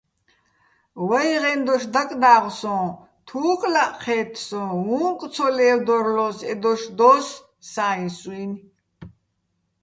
ვაჲღეჼ დოშ დაკდა́ღო სოჼ: თუკლაჸ ჴე́თ სოჼ, უ̂ნკ ცო ლე́ვდორლო́ს ე დოშ - დო́ს სა́ისუჲნი̆.